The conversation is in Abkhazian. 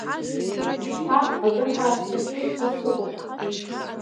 Ушьҭа акыр ҳааскьахьеит ҳәа сыҟоуп.